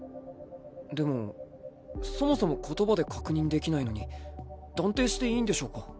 でもそもそも言葉で確認できないのに断定していいんでしょうか。